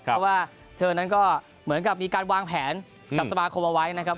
เพราะว่าเธอนั้นก็เหมือนกับมีการวางแผนกับสมาคมเอาไว้นะครับ